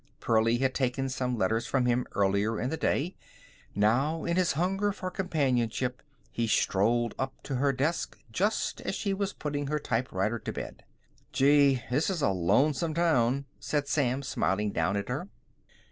Pearlie had taken some letters from him earlier in the day. Now, in his hunger for companionship, he, strolled up to her desk, just as she was putting her typewriter to bed. "Gee I This is a lonesome town!" said Sam, smiling down at her.